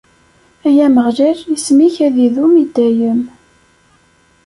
Ay Ameɣlal, isem-ik ad idum i dayem.